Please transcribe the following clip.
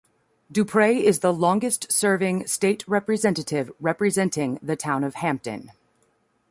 Duprey is the longest serving State Representative representing the town of Hampden.